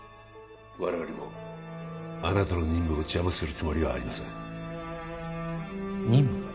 我々もあなたの任務を邪魔するつもりはありません任務？